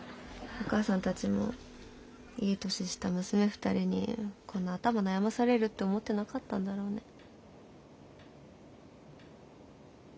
お母さんたちもいい年した娘２人にこんな頭悩ませられるって思ってなかったんだろうね。